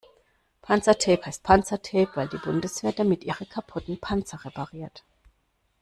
Panzertape heißt Panzertape, weil die Bundeswehr damit ihre kaputten Panzer repariert.